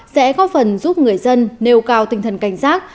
sẽ có phần giúp người dân nêu cao tinh thần cảnh giác